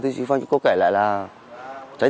từ lời khai của con trai nạn nhân